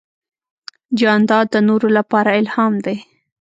جانداد د نورو لپاره الهام دی.